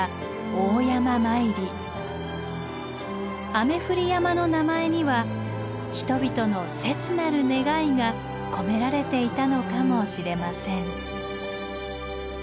「雨降り山」の名前には人々の切なる願いが込められていたのかもしれません。